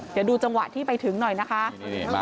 เดี๋ยวดูจังหวะที่ไปถึงหน่อยนะคะ